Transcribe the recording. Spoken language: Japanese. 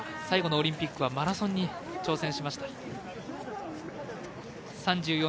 最後のオリンピックはマラソンに挑戦しました。